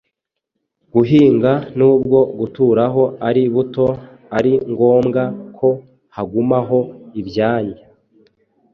guhinga n’ubwo guturaho ari buto, ari ngombwa ko hagumaho ibyanya